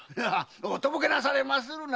おとぼけなされまするな。